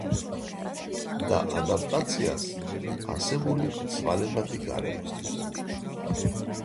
და ადაპტაციას არსებული ცვალებადი გარემოსთვის.